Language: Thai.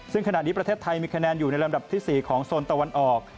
ซึ่งขณะนี้ประเทศไทยมีคะแนนอยู่ในลำดับที่๔ของโซนตะวันออก